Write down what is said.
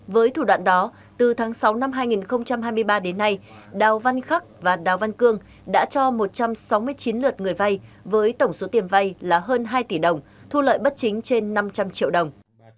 với thủ đoạn đó từ tháng sáu năm hai nghìn hai mươi ba đến nay đào văn khắc và đào văn cương đã cho một trăm sáu mươi chín lượt người vay với tổng số tiền vay là hơn hai tỷ đồng thu lợi bất chính trên năm trăm linh triệu đồng